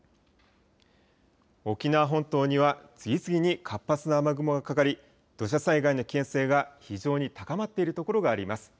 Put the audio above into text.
沖縄本島には次々に活発な雨雲がかかり、土砂災害の危険性が非常に高まっている所があります。